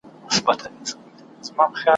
نه یې زرکي په ککړو غولېدلې ,